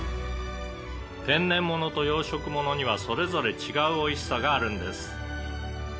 「天然物と養殖物にはそれぞれ違うおいしさがあるんです」